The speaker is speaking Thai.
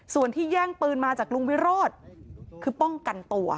ส่วนที่แย่งปืนมาจากลุงวิโรธคือป้องกันตัว